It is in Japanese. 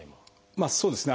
まあそうですね。